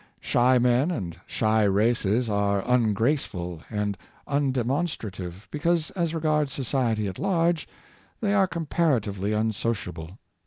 Shy men and shy races are ungraceful and undemon strative, because, as regards society at large, they are comparatively unsociable.